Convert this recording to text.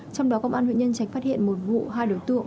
trong đó công an huyện nhân trạch phát hiện một vụ hai đối tượng